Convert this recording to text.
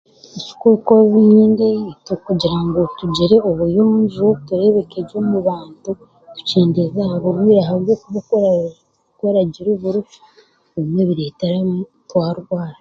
.... kugira ngu tugire obuyonjo, tureebekegye omu bantu, tukyendeeze aha burwaire ahabwokuba ku oraagire ... ebimwe bireetere twarwara.